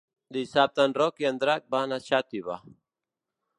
Dissabte en Roc i en Drac van a Xàtiva.